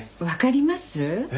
わかります？